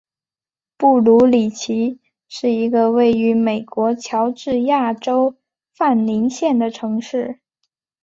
布卢里奇是一个位于美国乔治亚州范宁县的城市。